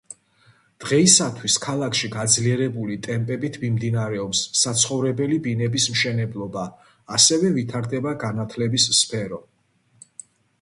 დღეისათვის ქალაქში გაძლიერებული ტემპებით მიმდინარეობს საცხოვრებელი ბინების მშენებლობა, ასევე ვითარდება განათლების სფერო.